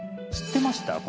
知ってました？